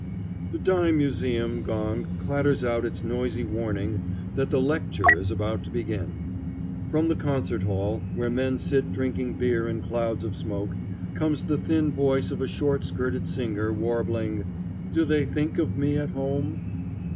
The dime museum gong clatters out its noisy warning that "the lecture" is about to begin. From the concert hall, where men sit drinking beer in clouds of smoke, comes the thin voice of a short skirted singer warbling, "Do they think of me at home?"